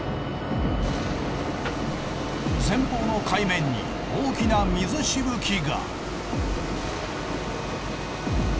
前方の海面に大きな水しぶきが。